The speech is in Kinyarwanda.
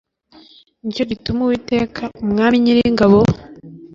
ni cyo gituma uwiteka umwami nyiringabo